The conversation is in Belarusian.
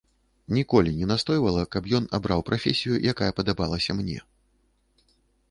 Ніколі не настойвала, каб ён абраў прафесію, якая падабалася мне.